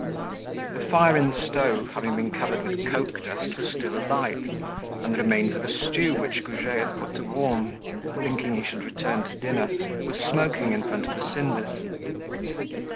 _" The fire in the stove, having been covered with coke dust, was still alight, and the remains of a stew which Goujet had put to warm, thinking he should return to dinner, was smoking in front of the cinders.